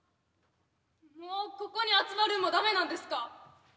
もうここに集まるんも駄目なんですか？